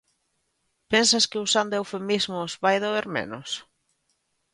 Pensas que usando eufemismos vai doer menos?